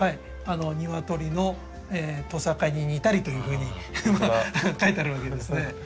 「の冠に似たり」というふうに書いてあるわけですね。